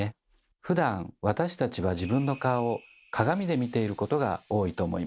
ふだん私たちは自分の顔を鏡で見ていることが多いと思います。